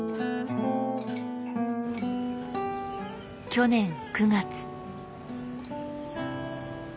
去年９月。